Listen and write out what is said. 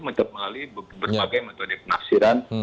melalui berbagai metode penafsiran